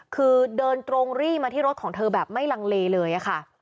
คือเดินตรงรี่มาที่รถของเธอแบบไม่ลังเลเลยค่ะ